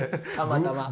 たまたま？